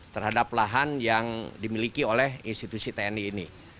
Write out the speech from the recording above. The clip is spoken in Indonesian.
terhadap lahan yang dimiliki oleh institusi tni ini